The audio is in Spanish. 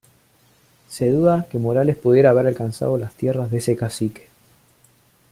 Se duda que Morales pudiera haber alcanzado las tierras de ese cacique.